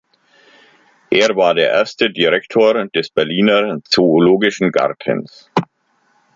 Er war der erste Direktor des Berliner Zoologischen Gartens.